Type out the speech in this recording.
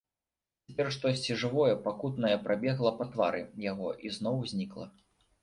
Цяпер штосьці жывое, пакутнае прабегла па твары яго і зноў знікла.